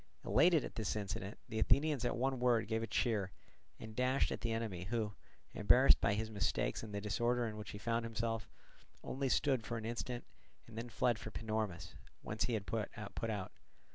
Elated at this incident, the Athenians at one word gave a cheer, and dashed at the enemy, who, embarrassed by his mistakes and the disorder in which he found himself, only stood for an instant, and then fled for Panormus, whence he had put out.